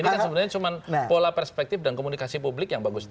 ini kan sebenarnya cuma pola perspektif dan komunikasi publik yang bagus